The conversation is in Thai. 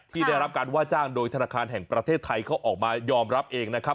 ได้รับการว่าจ้างโดยธนาคารแห่งประเทศไทยเขาออกมายอมรับเองนะครับ